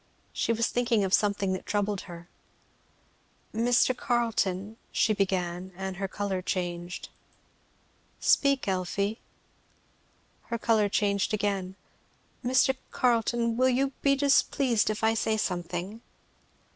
She was thinking of something that troubled her. "Mr. Carleton " she began, and her colour changed. "Speak, Elfie." Her colour changed again. "Mr. Carleton will you be displeased if I say something?"